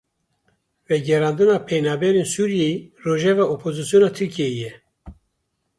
Vegerandina penaberên Sûriyeyê rojeva opozîsyona Tirkiyeyê ye.